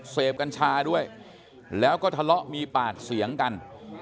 กัญชาด้วยแล้วก็ทะเลาะมีปากเสียงกัน